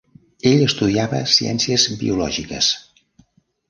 Ell estudiava Ciències biològiques.